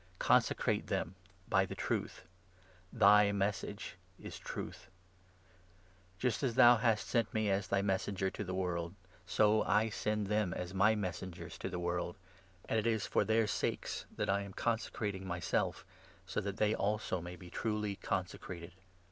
Consecrate them by the Truth ; thy 17 Message is Truth. Just as thou hast sent me 18 as thy Messenger to the world, so I send them as my Messengers to the world. And it is 19 for their sakes that I am consecrating myself, so that they also may be truly consecrated.